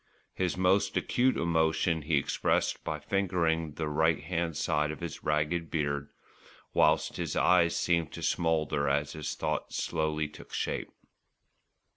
His most acute emotion he expressed by fingering the right hand side of his ragged beard, whilst his eyes seemed to smoulder as his thoughts slowly took shape.